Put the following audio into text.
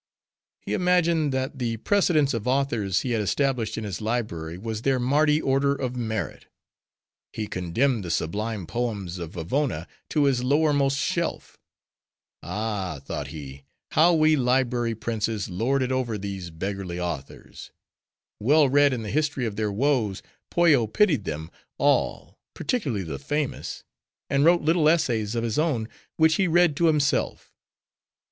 He imagined, that the precedence of authors he had established in his library, was their Mardi order of merit. He condemned the sublime poems of Vavona to his lowermost shelf. 'Ah,' thought he, 'how we library princes, lord it over these beggarly authors!' Well read in the history of their woes, Pollo pitied them all, particularly the famous; and wrote little essays of his own, which he read to himself."